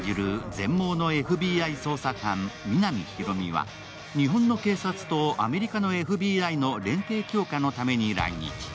全盲のＦＢＩ捜査官、皆実広見は日本の警察とアメリカのＦＢＩの連携強化のために来日。